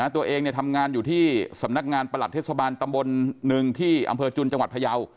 ตัวเองทำงานอยู่ที่สำนักงานประหลัดเทศบาลตำบลหนึ่งที่อำเภอจุนจังหวัดพยาว